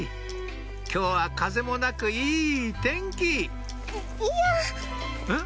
今日は風もなくいい天気ん？